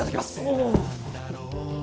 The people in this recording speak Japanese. おお。